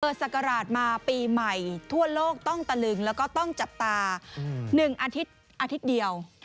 เปิดสักกระดาษมาปีใหม่ทั่วโลกต้องตะลึงแล้วก็ต้องจับตา๑อาทิตย์เดียว